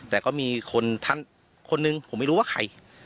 แต่ก็มีคนท่านคนหนึ่งผมไม่รู้ว่าใคร